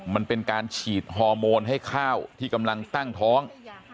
มันเป็นการฉีดฮอร์โมนให้ข้าวที่กำลังตั้งท้อง